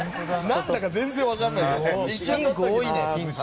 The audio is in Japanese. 何だか全然分からない。